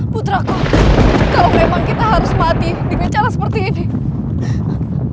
putraku kalau memang kita harus mati dengan cara seperti ini